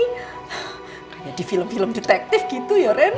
kayak di film film detektif gitu ya ren